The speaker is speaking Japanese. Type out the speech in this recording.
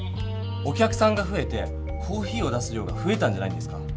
お客さんがふえてコーヒーを出す量がふえたんじゃないんですか？